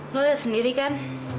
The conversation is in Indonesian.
lo lihat sendiri kan